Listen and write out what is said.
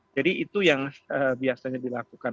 jadi itu yang biasanya dilakukan